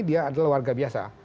dia adalah warga biasa